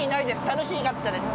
楽しかったです。